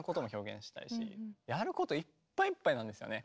やることいっぱいいっぱいなんですよね。